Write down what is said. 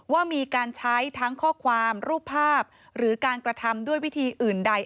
ว่ามีการใช้ทั้งข้อความรูปภาพหรือการกระทำด้วยวิธีอื่นใด